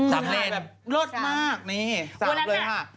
หรือว่าแสบเลนสามเลนค่ะเร็ดมากนี่